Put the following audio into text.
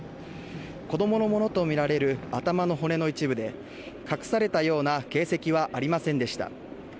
子供のものとみられる頭の骨の一部で隠されたような形跡はありませんでした。